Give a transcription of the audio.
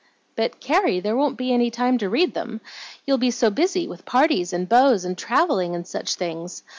"But, Carrie, there won't be any time to read them; you'll be so busy with parties, and beaux, and travelling, and such things.